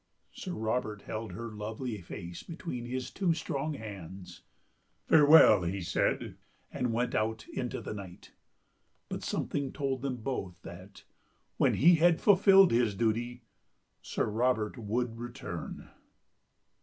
Sir Robert held her lovely face between his two strong hands. 'Farewell!' he said, and went out into the night. But something told them both that, when he had fulfilled his duty, Sir Robert would return